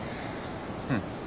うん。